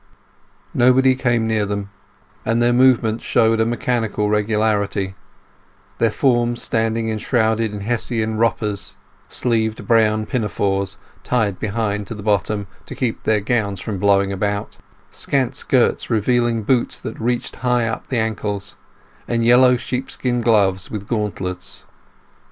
Nobody came near them, and their movements showed a mechanical regularity; their forms standing enshrouded in Hessian "wroppers"—sleeved brown pinafores, tied behind to the bottom, to keep their gowns from blowing about—scant skirts revealing boots that reached high up the ankles, and yellow sheepskin gloves with gauntlets.